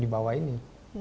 di bawah ini